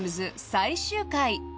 ［最終回］